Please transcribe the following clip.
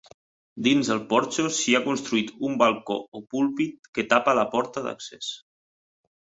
Dins el porxo s'hi ha construït un balcó o púlpit que tapa la porta d'accés.